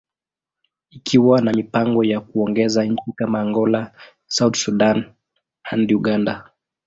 ikiwa na mipango ya kuongeza nchi kama Angola, South Sudan, and Uganda.